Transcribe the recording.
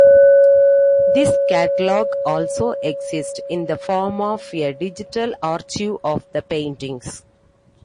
This catalogue also exist in the form of a digital archive of the paintings.